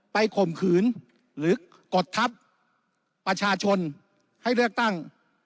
ข่มขืนหรือกดทัพประชาชนให้เลือกตั้ง